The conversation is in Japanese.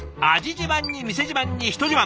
自慢に店自慢に人自慢。